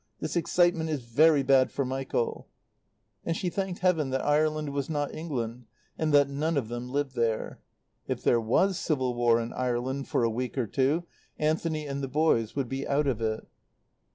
This excitement is very bad for Michael." And she thanked Heaven that Ireland was not England, and that none of them lived there. If there was civil war in Ireland for a week or two, Anthony and the boys would be out of it.